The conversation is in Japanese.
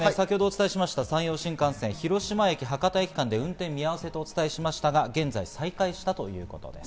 山陽新幹線、広島駅−博多駅間で運転見合わせとお伝えしましたが現在、再開したということです。